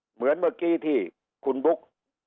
เหมือนเมื่อกี้ที่คุณบุ๊ก